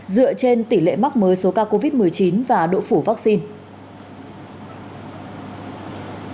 dựa trên tỷ lệ mắc mới số ca covid một mươi chín và độ phủ vaccine